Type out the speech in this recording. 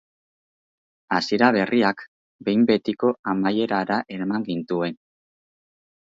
Hasiera berriak, behin betiko amaierara eraman gintuen.